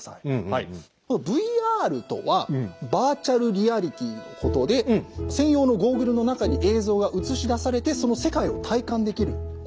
「ＶＲ」とはバーチャルリアリティーのことで専用のゴーグルの中に映像が映し出されてその世界を体感できることなんですね。